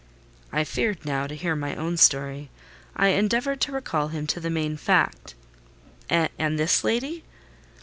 I feared now to hear my own story. I endeavoured to recall him to the main fact. "And this lady?"